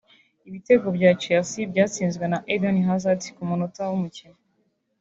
Ibitego bya Chelsea byatsinzwe na Eden Hazard ku munota wa ' w'umukino